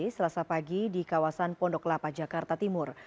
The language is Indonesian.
selasa pagi di kawasan pondok lapa jakarta timur